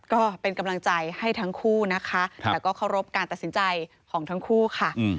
ก็เป็นกำลังใจให้ทั้งคู่นะคะแต่ก็เคารพการตัดสินใจของทั้งคู่ค่ะ